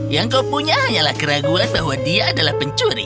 yang kau punya hanyalah keraguan bahwa dia adalah pencuri